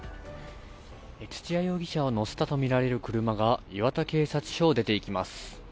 土屋容疑者を乗せた車が磐田警察署を出ていきます。